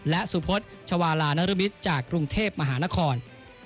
และสุพศชวาลานรมิตรจากกรุงเทพมหานคร